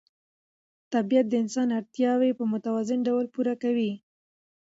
طبیعت د انسان اړتیاوې په متوازن ډول پوره کوي